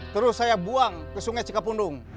terus saya buang ke sungai cikapundung